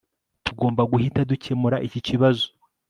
tugomba guhita dukemura iki kibazo